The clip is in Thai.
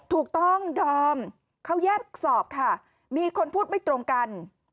ถูกต้องดอมเขาแยกสอบค่ะมีคนพูดไม่ตรงกัน